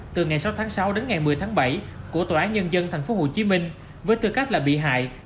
từ ngày sáu tháng sáu đến ngày một mươi tháng bảy của tòa án nhân dân tp hcm với tư cách là bị hại